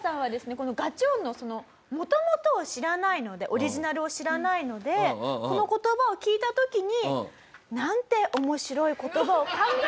この「ガチョーン」の元々を知らないのでオリジナルを知らないのでこの言葉を聞いた時に。